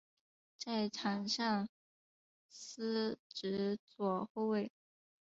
在场上司职左后卫。